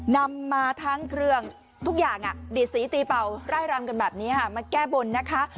นำมาทั้งเครื่องทุกอย่างดีดสีตีเป่าไร่รำกันแบบนี้ค่ะมาแก้บนนะคะ